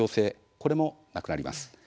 これもなくなります。